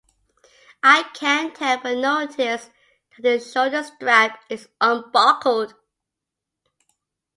I can't help but notice that his shoulder strap is unbuckled.